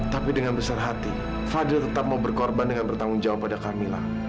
tapi dengan besar hati fadil tetap mau berkorban dengan bertanggung jawab pada kami lah